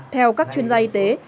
theo các chuyên gia y tế